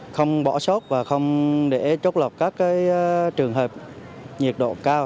không bỏ sốt và không để trốc lọc các trường hợp nhiệt độ cao